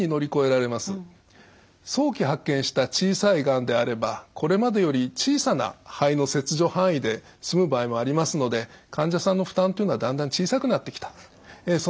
早期発見した小さいがんであればこれまでより小さな肺の切除範囲で済む場合もありますので患者さんの負担というのはだんだん小さくなってきたんです。